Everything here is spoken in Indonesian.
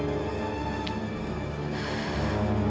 aku mau kita sekedar balik